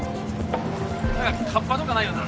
カッパとかないよな？